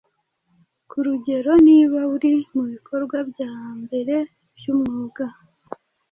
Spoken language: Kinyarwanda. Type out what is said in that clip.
Kurugero, niba uri mubikorwa byambere byumwuga